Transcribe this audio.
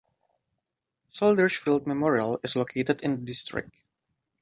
Soldiers' Field Memorial is located in the district.